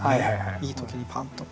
いい時にパンと。